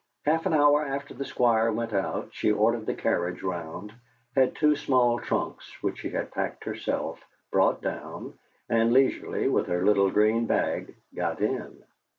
Half an hour after the Squire went out she ordered the carriage round, had two small trunks, which she had packed herself, brought down, and leisurely, with her little green bag, got in.